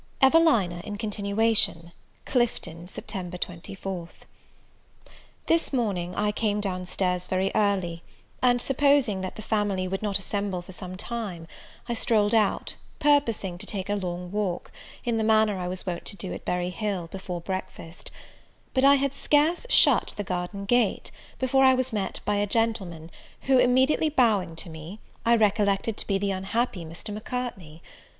EVELINA IN CONTINUATION. Clifton, Sept. 24th. THIS morning I came down stairs very early; and supposing that the family would not assemble for some time, I strolled out, purposing to take a long walk, in the manner I was wont to do at Berry Hill, before breakfast: but I had scarce shut the garden gate, before I was met by a gentleman, who, immediately bowing to me, I recollected to be the unhappy Mr. Macartney.